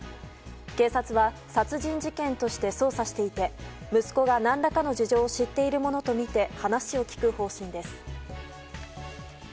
警察は殺人事件として捜査していて息子が何らかの事情を知っているとみて話を聞く方針です。